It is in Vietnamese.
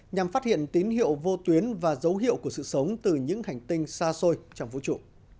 nhằm phát hiện tín hiệu vô tuyến và dấu hiệu của sự sống từ những hành tinh xa xôi trong vũ trụ